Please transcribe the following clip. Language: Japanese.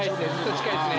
近いですね